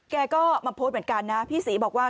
แกก็มาโพสต์เหมือนกันนะพี่ศรีบอกว่า